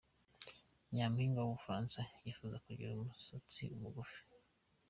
Nyampinga w’u Bufaransa yifuza kugira umusatsi mugufi